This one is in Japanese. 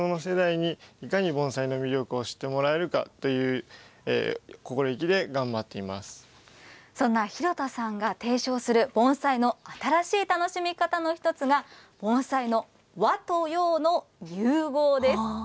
そのため、われわれ若者の世代にいかに盆栽の魅力を知ってもらえるかというそんな廣田さんが提唱する盆栽の新しい楽しみ方の１つが、盆栽の和と洋の融合です。